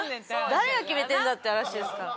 誰が決めてるんだって話ですから。